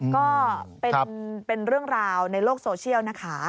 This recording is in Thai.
ก็เป็นเรื่องราวในโลกโซเชียลนะคะ